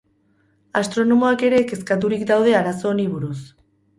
Astronomoak ere kezkaturik daude arazo honi buruz.